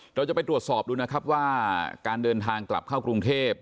เราจะไปตรวจสอบดูนะครับว่าการเดินทางกลับเข้ากรุงเทพ